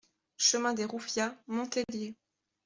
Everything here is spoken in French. Chemin des Roufiats, Montélier